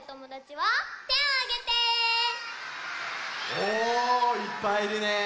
おいっぱいいるね。